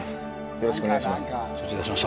よろしくお願いします